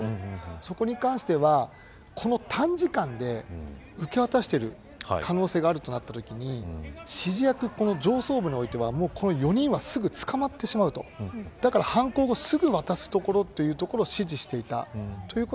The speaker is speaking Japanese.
そこに関しては、この短時間で受け渡している可能性があるとなったときに上層部はすでに４人は捕まってしまうとだから、犯行後すぐに渡すところを指示していた。